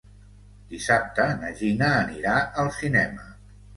Dissabte na Gina anirà al cinema.